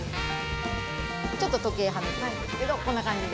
ちょっと時計はめてるんですけどこんな感じで。